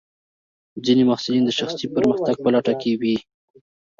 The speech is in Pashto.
ځینې محصلین د شخصي پرمختګ په لټه کې وي.